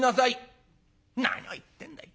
何を言ってんだい。